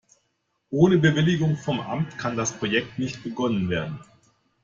Ohne Bewilligung vom Amt kann das Projekt nicht begonnen werden.